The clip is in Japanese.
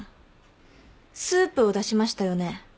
スープを出しましたよね。